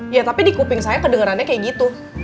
ya tapi di kuping saya kedengerannya kayak gitu